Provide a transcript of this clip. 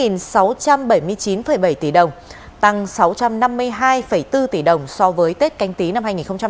sáu trăm bảy mươi chín bảy tỷ đồng tăng sáu trăm năm mươi hai bốn tỷ đồng so với tết canh tí năm hai nghìn hai mươi